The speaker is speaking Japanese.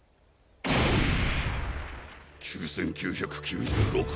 ・９９９６！